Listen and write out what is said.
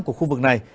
của khu vực này